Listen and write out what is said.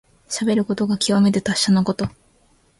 しゃべることがきわめて達者なこと。